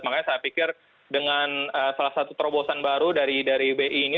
makanya saya pikir dengan salah satu terobosan baru dari bi ini